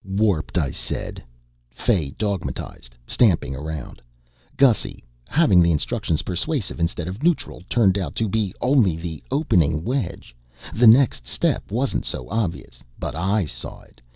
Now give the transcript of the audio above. "Warped, I said," Fay dogmatized, stamping around. "Gussy, having the instructions persuasive instead of neutral turned out to be only the opening wedge. The next step wasn't so obvious, but I saw it.